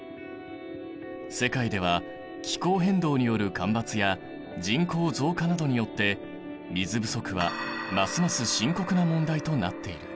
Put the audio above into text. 世界では気候変動による干ばつや人口増加などによって水不足はますます深刻な問題となっている。